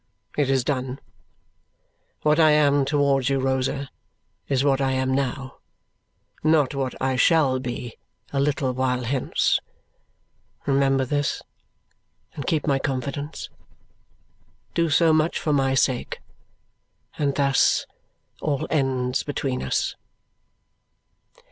It is done. What I am towards you, Rosa, is what I am now not what I shall be a little while hence. Remember this, and keep my confidence. Do so much for my sake, and thus all ends between us!"